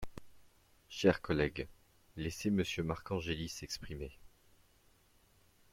Chers collègues, laissez Monsieur Marcangeli s’exprimer